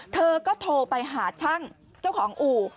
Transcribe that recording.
เธอก็โทรไปหาช่างเจ้าของอู่